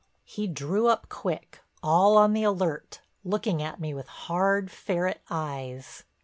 He drew up quick, all on the alert, looking at me with hard, ferret eyes.